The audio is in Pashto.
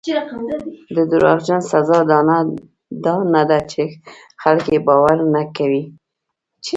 د دروغجن سزا دا نه ده چې خلک یې باور نه کوي.